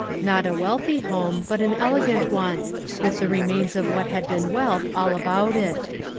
Not a wealthy home, but an elegant one, with the remains of what had been wealth all about it.